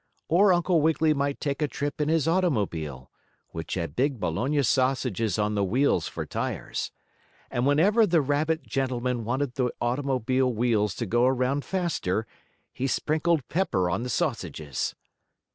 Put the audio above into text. Or Uncle Wiggily might take a trip in his automobile, which had big bologna sausages on the wheels for tires. And whenever the rabbit gentleman wanted the automobile wheels to go around faster he sprinkled pepper on the sausages.